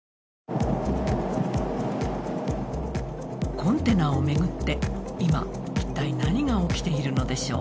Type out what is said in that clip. コンテナを巡って今、一体何が起きているのでしょう？